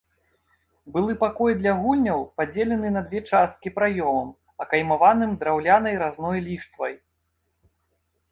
Былы пакой для гульняў падзелены на две часткі праёмам, акаймаваным драўлянай разной ліштвай.